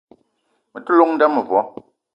Me te llong n'da mevo.